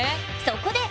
そこで！